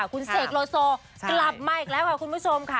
คุณเสกโลโซกลับมาอีกแล้วค่ะคุณผู้ชมค่ะ